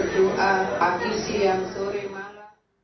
doa pagi siang sore malam